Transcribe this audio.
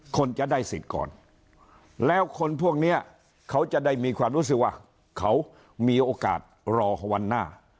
คนจะได้สิทธิ์ก่อนแล้วคนพวกนี้เขาจะได้มีความรู้สึกว่าเขามีโอกาสรอวันหน้า